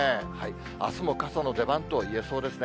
あすも傘の出番といえそうですね。